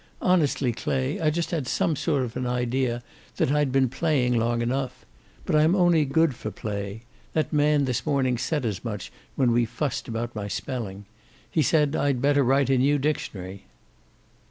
Honestly, Clay, I just had some sort of an idea that I'd been playing long enough. But I'm only good for play. That man this morning said as much, when we fussed about my spelling. He said I'd better write a new dictionary."